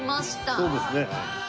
そうですね。